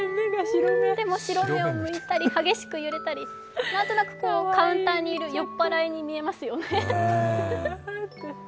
でも白目をむいたり、激しく揺れたり、何となくカウンターにいる酔っ払いに見えますよね。